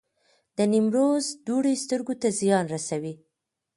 د نیمروز دوړې سترګو ته زیان رسوي؟